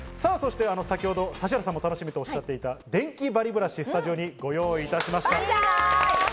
そして先ほど、指原さんも楽しみとおっしゃっていた、デンキバリブラシをスタジオにご用意いたしました。